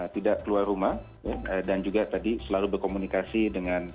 tidak keluar rumah dan juga tadi selalu berkomunikasi dengan